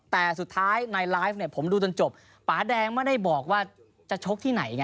แต่สุดท้ายในไลฟ์เนี่ยผมดูจนจบป่าแดงไม่ได้บอกว่าจะชกที่ไหนไง